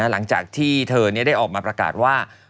หลังจากที่เธอได้ออกมาประกาศว่า